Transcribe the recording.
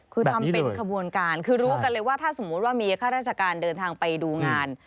คือทำเป็นขบวนการคือรู้กันเลยว่าถ้าสมมุติว่ามีข้าราชการเดินทางไปดูงาน